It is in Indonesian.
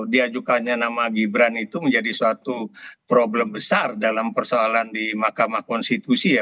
diajukannya nama gibran itu menjadi suatu problem besar dalam persoalan di mahkamah konstitusi ya